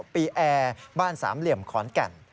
๐๘๘๘๐๙๙๓๘๙ปีแอร์บ้าน๓เหลี่ยมขอนแก่น